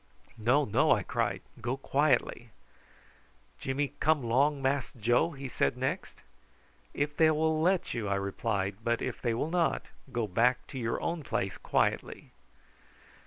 "No, no," I cried, "go quietly." "Jimmy come 'long Mass Joe?" he said next. "If they will let you," I replied; "but if they will not, go back to your own place quietly."